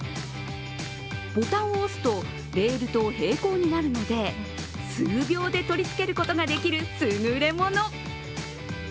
ボタンを押すとレールと平行になるので数秒で取り付けることができるすぐれもの。